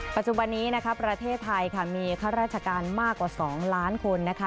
ประจุบันนี้นะครับประเทศไทยมีค่ารักษาการมากกว่า๒ล้านคนนะคะ